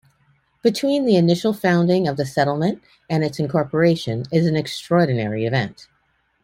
Between the initial founding of the settlement and its incorporation is an extraordinary event.